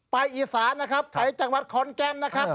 อีสานนะครับไปจังหวัดขอนแก่นนะครับ